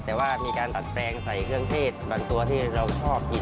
แต่ว่ามีการดัดแปลงใส่เครื่องเทศบางตัวที่เราชอบกิน